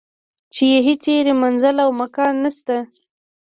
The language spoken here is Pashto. چې یې هیچرې منزل او مکان نشته.